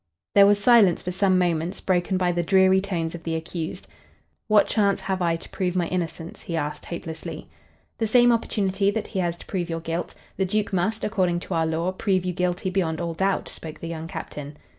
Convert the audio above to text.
There was silence for some moments, broken by the dreary tones of the accused. "What chance have I to prove my innocence?" he asked, hopelessly. "The same opportunity that he has to prove your guilt. The Duke must, according to our law, prove you guilty beyond all doubt," spoke the young captain.